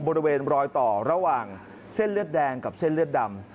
บริเวณรอยต่อระหว่างเส้นเลือดแดงกับเส้นเลือดดำ